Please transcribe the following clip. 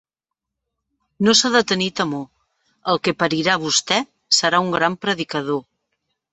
No s'ha de tindre temor: el que parirà vosté serà un gran predicador.